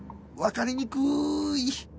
わかりにくい